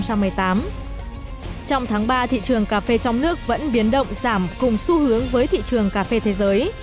trong tháng ba thị trường cà phê trong nước vẫn biến động giảm cùng xu hướng với thị trường cà phê thế giới